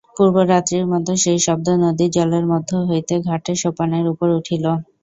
পূর্বরাত্রির মতো সেই শব্দ নদীর জলের মধ্য হইতে ঘাটের সোপানের উপর উঠিল।